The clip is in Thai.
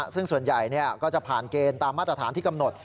ซึ่งส่วนใหญ่ก็จะผ่านเกณฑ์ตามมาตรฐานที่กำหนด